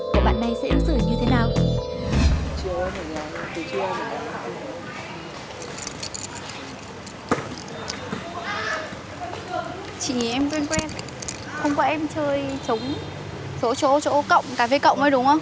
cậu bạn này sẽ ứng xử như thế nào